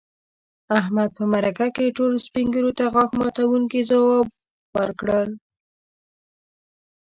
احمد په مرکه کې ټولو سپین ږیرو ته غاښ ماتونکي ځوابوه ورکړل.